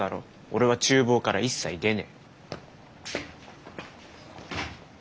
俺は厨房から一切出ねえ。